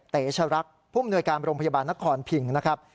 เต๋ชะรักผู้อำนวยการโรงพยาบาลนักคอนผิ่งนะครับ